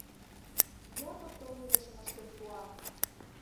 Япык тоҥедышым ыштен пуа.